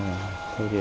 cũng mong muốn là